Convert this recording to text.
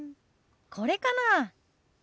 これかな。